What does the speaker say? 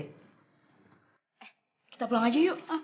eh kita pulang aja yuk